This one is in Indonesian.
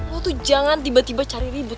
oh tuh jangan tiba tiba cari ribut